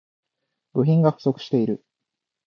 部品が不足している